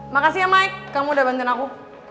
makasih ya mike kamu udah bantuin aku